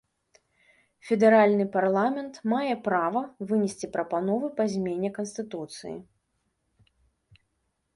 Федэральны парламент мае права вынесці прапановы па змене канстытуцыі.